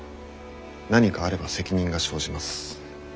何かあれば責任が生じます。